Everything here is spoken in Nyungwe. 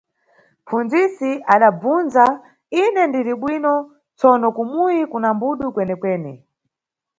Mʼpfundzisi adabvundza, ine ndiribwino tsono kumuyi kuna mbudu kwenekwene.